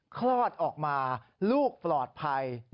คลอดออกมาลูกปลอดภัย